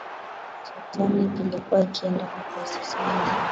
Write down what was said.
titanic ilikuwa ikienda kwa kasi sana